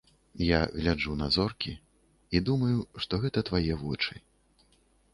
Я гляджу на зоркі і думаю, што гэта твае вочы.